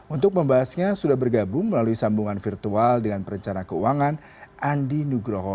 untuk membahasnya sudah bergabung melalui sambungan virtual dengan perencana keuangan andi nugroho